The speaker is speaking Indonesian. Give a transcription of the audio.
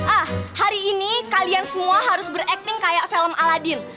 ah hari ini kalian semua harus berakting kayak film aladin